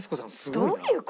どういう事？